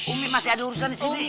umi masih ada urusan disini